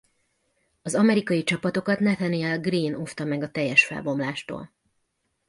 Az amerikai csapatokat Nathaniel Greene óvta meg a teljes felbomlástól.